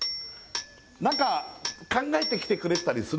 何か考えてきてくれてたりする？